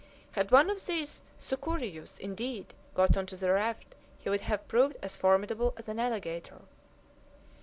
Had one of these sucurijus, indeed, got on to the raft he would have proved as formidable as an alligator.